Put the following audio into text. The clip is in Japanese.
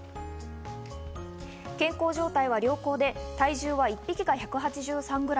健康状態は良好で体重は一匹が１８３ｇ。